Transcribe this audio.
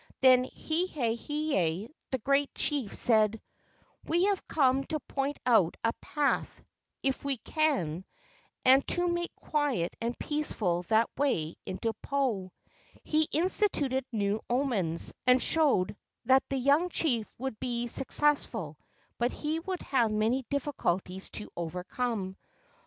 Then Hae hae, the great chief, said, " We have come to point out a path, if we can, and to make quiet and peaceful that way into Po." He instituted new omens, and showed that the young chief would be suc¬ cessful, but he would have many difficulties to overcome.